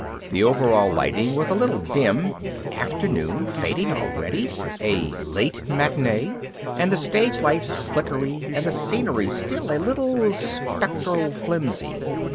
The overall lighting was a little dim (afternoon fading already? a late matinee?) and the stage lights flickery and the scenery still a little spectral flimsy.